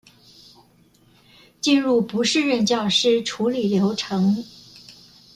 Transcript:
進入不適任教師處理流程